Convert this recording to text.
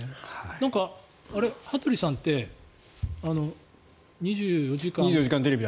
なんか、羽鳥さんって「２４時間テレビ」。